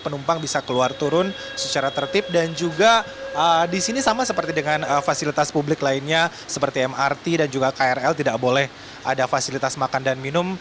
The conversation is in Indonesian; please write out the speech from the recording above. penumpang bisa keluar turun secara tertib dan juga di sini sama seperti dengan fasilitas publik lainnya seperti mrt dan juga krl tidak boleh ada fasilitas makan dan minum